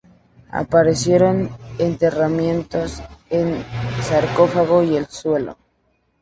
Aparecieron enterramientos en sarcófagos y en el suelo.